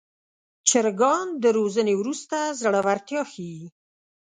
چرګان د روزنې وروسته زړورتیا ښيي.